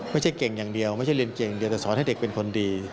ไม่ใช่เก่งอย่างเดียวไม่ใช่เรียนเก่งเดียวแต่สอนให้เด็กเป็นคนดี